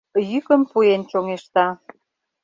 Йӱкым пуэн чоҥешта.